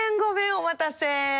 お待たせ！